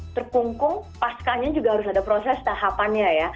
terkungkung pascanya juga harus ada proses tahapannya ya